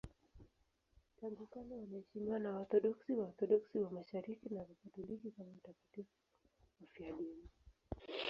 Tangu kale wanaheshimiwa na Waorthodoksi, Waorthodoksi wa Mashariki na Wakatoliki kama watakatifu wafiadini.